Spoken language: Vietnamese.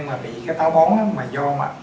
mà bị cái táo bón đó mà do mà